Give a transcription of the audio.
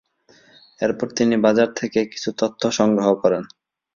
এরপর তিনি বাজার থেকে কিছু তথ্য সংগ্রহ করেন।